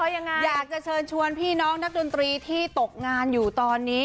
ยังไงอยากจะเชิญชวนพี่น้องนักดนตรีที่ตกงานอยู่ตอนนี้